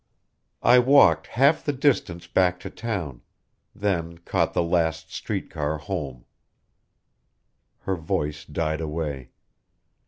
I walked half the distance back to town, then caught the last street car home " Her voice died away.